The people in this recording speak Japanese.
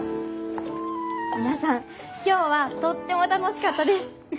皆さん今日はとっても楽しかったです。